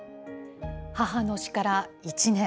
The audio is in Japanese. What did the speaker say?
母の死から１年。